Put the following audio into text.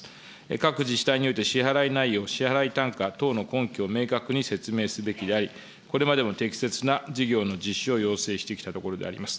各自治体において支払い内容、支払い単価等の根拠を明確に説明すべきであり、これまでも適切な事業の実施を要請してきたところであります。